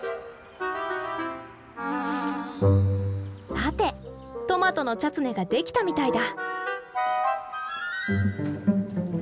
さてトマトのチャツネができたみたいだ。